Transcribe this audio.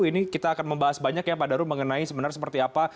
ini kita akan membahas banyak ya pak daru mengenai sebenarnya seperti apa